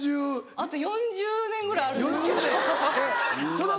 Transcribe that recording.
あと４０年ぐらいあるんですけど。